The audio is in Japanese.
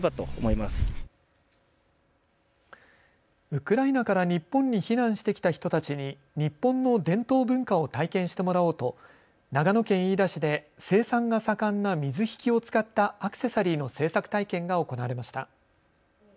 ウクライナから日本に避難してきた人たちに日本の伝統文化を体験してもらおうと長野県飯田市で生産が盛んな水引を使ったアクセサリーの制作体験が行われました。